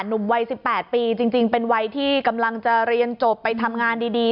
หนุ่มวัย๑๘ปีจริงเป็นวัยที่กำลังจะเรียนจบไปทำงานดี